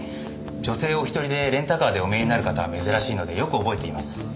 女性お一人でレンタカーでお見えになる方は珍しいのでよく覚えています。